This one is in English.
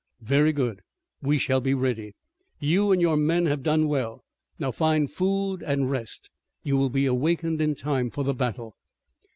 "Very good. We shall be ready. You and your men have done well. Now, find food and rest. You will be awakened in time for the battle."